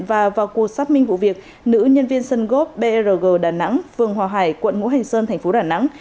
và vào cuộc sắp minh vụ việc nữ nhân viên sân góp brg đà nẵng phường hòa hải quận ngũ hành sơn tp đà nẵng